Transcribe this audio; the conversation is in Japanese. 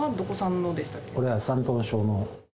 これは山東省の。